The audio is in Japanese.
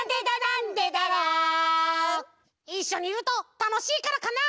いっしょにいるとたのしいからかな？